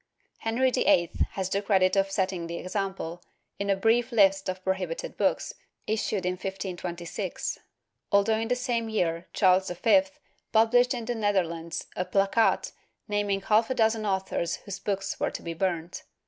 Henry VIII has the credit of setting the example, in a brief list of prohibited books, issued in 1526, although in the same year Charles V pub lished in the Netherlands a plakaat naming half a dozen authors whose books were to be burnt.